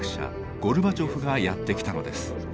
ゴルバチョフがやって来たのです。